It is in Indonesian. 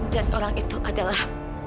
dan orang itu adalah